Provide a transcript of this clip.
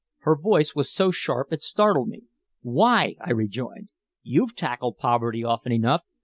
Her voice was so sharp it startled me. "Why?" I rejoined. "You've tackled poverty often enough.